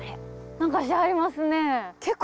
何かしてはりますね。